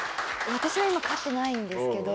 私は今飼ってないんですけど。